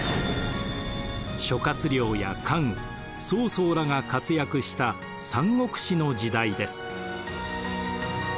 諸亮や関羽曹操らが活躍した「三国志」の時代です。